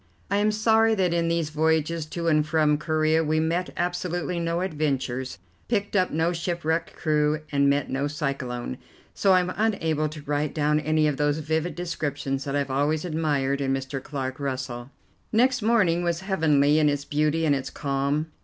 I am sorry that in these voyages to and from Corea we met absolutely no adventures, picked up no shipwrecked crew, and met no cyclone, so I am unable to write down any of those vivid descriptions that I have always admired in Mr. Clark Russell. Next morning was heavenly in its beauty and its calm.